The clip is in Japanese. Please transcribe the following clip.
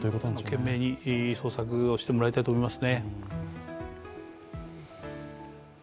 懸命に捜索をしてもらいたいと思います。